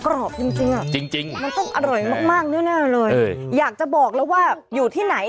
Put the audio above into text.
เราอยากจะบอกเราว่าอยู่ที่ไหน